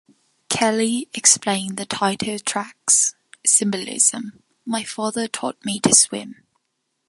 Kelly explained the title track's symbolism: My father taught me to swim.